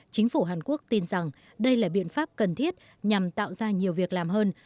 chính phủ hàn quốc tin rằng đây là biện pháp cần thiết nhằm tạo ra nhiều việc làm hơn